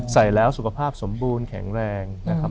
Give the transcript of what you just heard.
ใส่แล้วสุขภาพสมบูรณ์แข็งแรงนะครับ